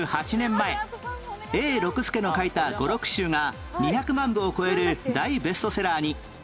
前永六輔の書いた語録集が２００万部を超える大ベストセラーに